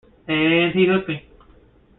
And he hooked me.